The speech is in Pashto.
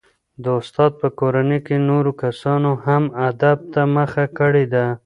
د استاد په کورنۍ کې نورو کسانو هم ادب ته مخه کړې ده.